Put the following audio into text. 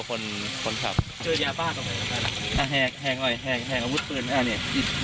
คนคนขาบแหงแหงหน่อยแหงแหงอาวุธปืนอ่ะเนี้ย